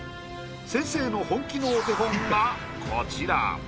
先生の本気のお手本がこちら。